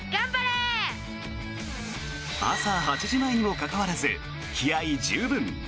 朝８時前にもかかわらず気合十分。